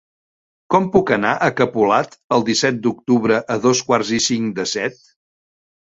Com puc anar a Capolat el disset d'octubre a dos quarts i cinc de set?